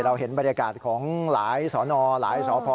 เห็นบรรยากาศของหลายสอนอหลายสพ